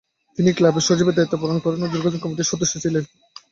তিনি ক্লাবের সচিবের দায়িত্ব পালন করেন ও দীর্ঘদিন কমিটির সদস্য ছিলেন।